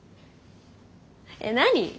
えっ何？